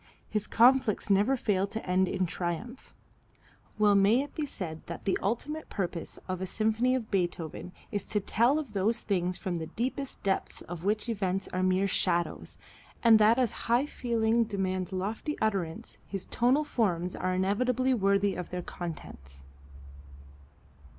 His conflicts never fail to end in triumph. Well may it be said that the ultimate purpose of a symphony of Beethoven is to tell of those things from the deepest depths of which events are mere shadows, and that as high feeling demands lofty utterance his tonal forms are inevitably worthy of their contents.